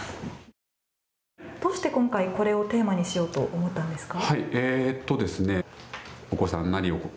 どうして今回これをテーマにしようと思ったんですか。